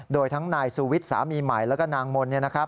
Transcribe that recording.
โดยทั้งณซูวิธรสามีใหม่และก็นางมนต์